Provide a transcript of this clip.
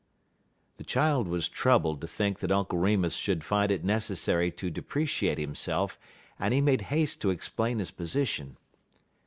The child was troubled to think that Uncle Remus should find it necessary to depreciate himself, and he made haste to explain his position.